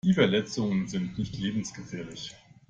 Die Verletzungen sind nicht lebensgefährlich.